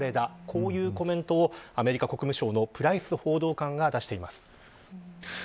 こういうコメントをアメリカ国務省のプライス報道官が出しています。